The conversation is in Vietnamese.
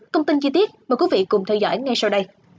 thông tin chi tiết mời quý vị cùng theo dõi ngay sau đây